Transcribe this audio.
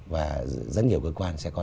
và rất nhiều cơ quan sẽ có